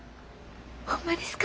ホンマですか？